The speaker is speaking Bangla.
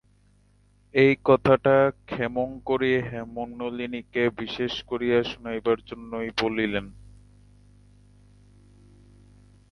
এ কথাটা ক্ষেমংকরী হেমনলিনীকে বিশেষ করিয়া শুনাইবার জন্যই বলিলেন।